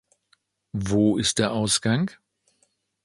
Wo ist der Ausgang?